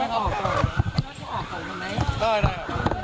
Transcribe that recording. อีกนิดนึงครับ